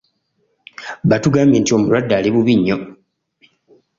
Baatugambye nti omulwadde ali bubi nnyo.